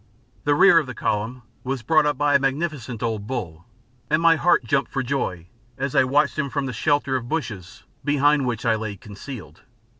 The rear of the column was brought up by a magnificent old bull, and my heart jumped for joy as I watched him from the shelter of the bushes behind which I lay concealed.